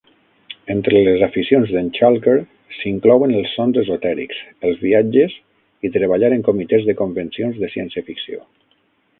Entre les aficions d'en Chalker s'inclouen els sons esotèrics, els viatges i treballar en comitès de convencions de ciència ficció.